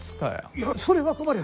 いやそれは困る！